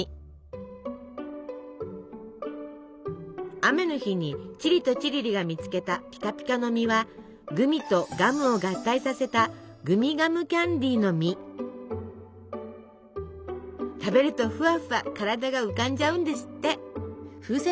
雨の日にチリとチリリが見つけたピカピカの実はグミとガムを合体させた食べるとふわふわ体が浮かんじゃうんですって！